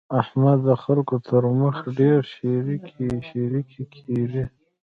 احمد د خلګو تر مخ ډېر شېرکی شېرکی کېږي.